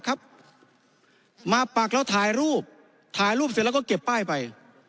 ครับมาปักแล้วถ่ายรูปถ่ายรูปเสร็จแล้วก็เก็บป้ายไป